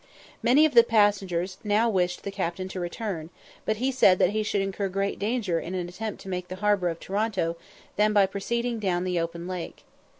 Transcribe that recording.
Many of the passengers now wished the captain to return, but he said that he should incur greater danger in an attempt to make the harbour of Toronto than by proceeding down the open lake.